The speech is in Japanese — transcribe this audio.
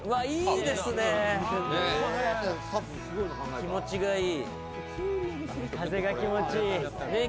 気持ちいい！